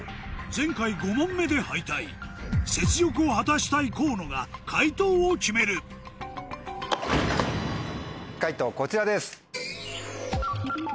前回５問目で敗退雪辱を果たしたい河野が解答を決める解答こちらです。